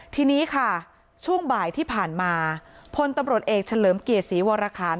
ทีนี้ค่ะช่วงบ่ายที่ผ่านมาพลตำรวจเอกเฉลิมเกียรติศรีวรคาร